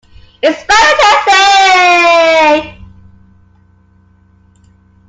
It's Valentine's Day!